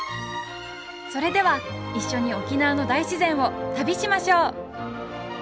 それでは一緒に沖縄の大自然を旅しましょう！